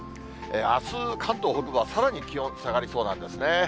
あす、関東北部はさらに気温下がりそうなんですね。